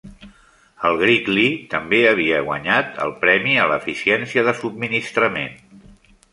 El Gridley també havia guanyat el premi a la Eficiència de Subministrament.